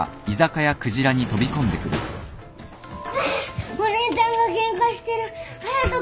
大変お姉ちゃんがケンカしてる隼人君と。